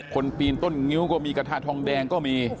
ปีนต้นงิ้วก็มีกระทะทองแดงก็มี